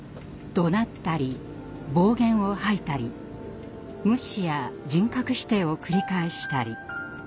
怒鳴ったり暴言を吐いたり無視や人格否定を繰り返したり。